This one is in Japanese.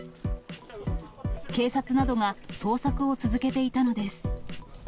警察などが、捜索を続けていたのです。